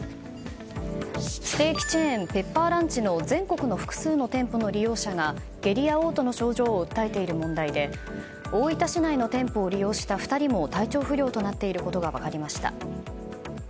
ステーキチェーンペッパーランチの全国の複数の店舗の利用者が下痢や嘔吐の症状を訴えている問題で大分市内の店舗を利用した２人も体調不良となっていることが分かりました。